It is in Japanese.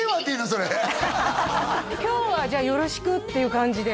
それ「今日はじゃあよろしく」っていう感じで？